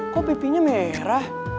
kok pipinya merah